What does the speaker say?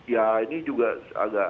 ya ini juga